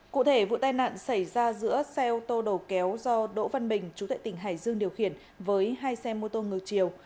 cụ thể vụ tai nạn xảy ra giữa xe ô tô đầu kéo do đỗ văn bình chú tệ tỉnh hải dương điều khiển với hai xe mô tô ngược chiều